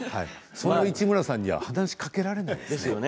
そういう市村さんには話しかけられないですよね